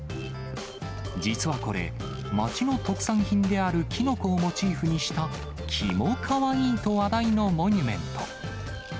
実はこれ、町の特産品であるキノコをモチーフにした、きもかわいいと話題のモニュメント。